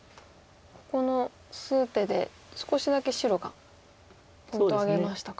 この数手で少しだけ白がポイントを挙げましたか。